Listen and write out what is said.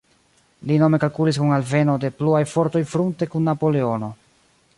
Li nome kalkulis kun alveno de pluaj fortoj frunte kun Napoleono.